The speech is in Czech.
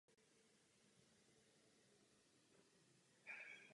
Později byla náměstkyní vedoucího Úřadu vlády a ředitelkou sekce ekonomické a správní.